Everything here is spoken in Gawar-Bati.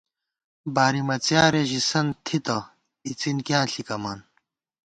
بارِمہ څیارے ژِسَن تھِتہ ، اِڅِن کیاں ݪِکَمان